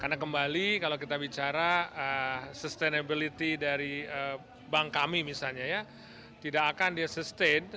karena kembali kalau kita bicara sustainability dari bank kami misalnya ya tidak akan dia sustain